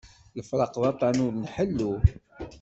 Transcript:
Lefraq d aṭan ur nḥellu